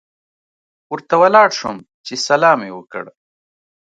ورته ولاړ شوم چې سلام یې ورته وکړم.